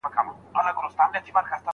آیا اختر تر عادي ورځو خوښي لري؟